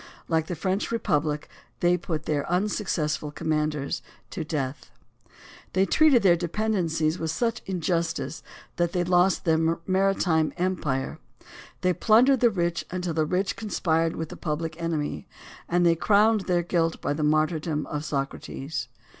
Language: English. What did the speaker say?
Like the French Republic, they put their unsuccessful commanders to death. They 96 COMPULSORY INITIATIVE AND REFERENDUM treated their dependencies with such injustice that they lost their maritime empire. They plundered the rich until the rich conspired with the public enemy, and they crowned their guilt by the martyrdom of Socrates.